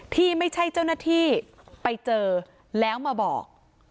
ที่ไม่ใช่เจ้าหน้าที่ไปเจอแล้วมาบอก